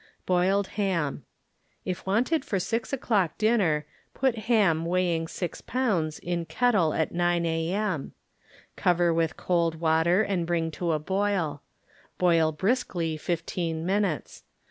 Boiled Ham If wanted for 6 o'clock dinner, put ham weighing six pounds in kettle at 9 a. m. Cover with cold water and bring to a boil ; boil briskly fifteen min utes.